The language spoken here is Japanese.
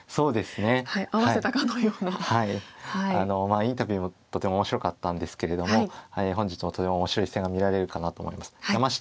インタビューもとても面白かったんですけれども本日もとても面白い一戦が見られるかなと思います。